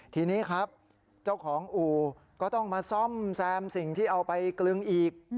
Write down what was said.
ทีนี้ครับเจ้าของอู่ก็ต้องมาซ่อมแซมสิ่งที่เอาไปกลึงอีก